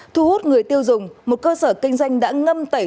thu hút người tiêu dùng một cơ sở kinh doanh đã ngâm tẩy